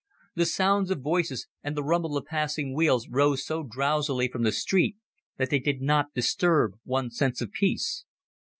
The sounds of voices and the rumble of passing wheels rose so drowsily from the street that they did not disturb one's sense of peace.